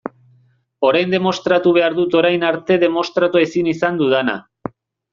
Orain demostratu behar dut orain arte demostratu ezin izan dudana.